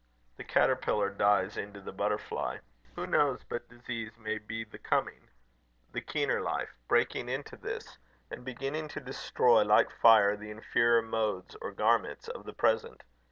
The caterpillar dies into the butterfly. Who knows but disease may be the coming, the keener life, breaking into this, and beginning to destroy like fire the inferior modes or garments of the present?